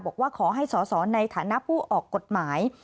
บอกว่าขอให้สอสอในฐานะผู้ออกกฎหมาย